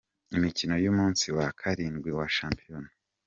Imikino y’umunsi wa karindwi wa Shampiyona.